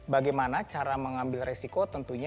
bagaimana cara mengambil resiko